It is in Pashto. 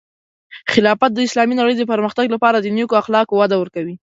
خلافت د اسلامی نړۍ د پرمختګ لپاره د نیکو اخلاقو وده ورکوي.